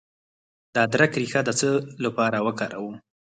د ادرک ریښه د څه لپاره وکاروم؟